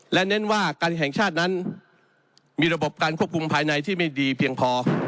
และเน้นว่าการแห่งชาตินั้นมีระบบการควบคุมภายในที่ไม่ดีเพียงพอ